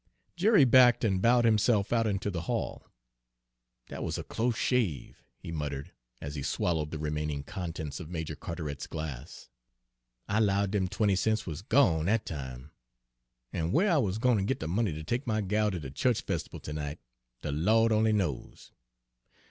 Jerry backed and bowed himself out into the hall. "Dat wuz a close shave," he muttered, as he swallowed the remaining contents of Major Carteret's glass. "I 'lowed dem twenty cents wuz gone dat time, an' whar I wuz gwine ter git de money ter take my gal ter de chu'ch festibal ter night, de Lawd only knows!